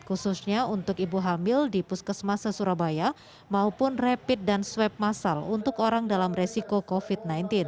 khususnya untuk ibu hamil di puskesmasa surabaya maupun rapid dan swab masal untuk orang dalam resiko covid sembilan belas